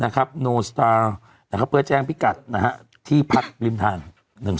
ครับโนสตาร์นะครับเปิ้ลแจ้งพี่กัดนะฮะที่พัดริมทางหนึ่ง